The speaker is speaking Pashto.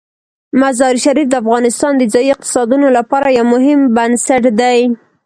مزارشریف د افغانستان د ځایي اقتصادونو لپاره یو مهم بنسټ دی.